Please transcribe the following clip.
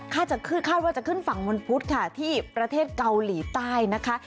คาดว่าจะขึ้นฝั่งวันพุธค่ะที่ประเทศเกาหลีใต้นะคะ